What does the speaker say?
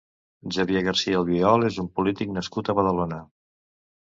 Xavier García Albiol és un polític nascut a Badalona.